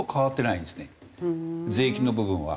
税金の部分は。